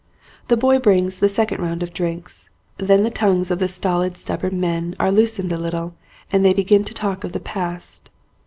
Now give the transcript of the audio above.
The boy brings the second round of drinks. Then the tongues of these stolid, stubborn men are loosened a little and they begin to talk of the past.